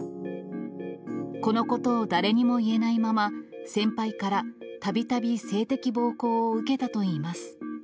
このことを誰にも言えないまま、先輩からたびたび性的暴行を受けたといいます。